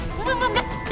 enggak enggak enggak